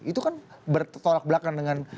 itu kan bertolak belakang dengan pendapat anda